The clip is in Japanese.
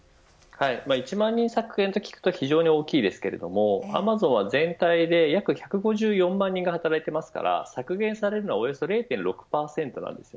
１万人削減と聞くと非常に大きいですけれどもアマゾンは全体で約１５４万人が働いているので削減されるのはおよそ０．６％です。